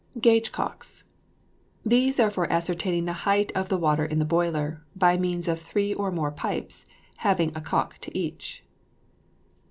GAGE COCKS. These are for ascertaining the height of the water in the boiler, by means of three or more pipes, having a cock to each.